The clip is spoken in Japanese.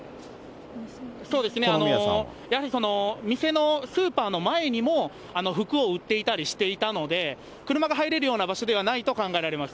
そうですね、やはり店のスーパーの前にも、服を売っていたりしていたので、車が入れるような場所ではないと考えられます。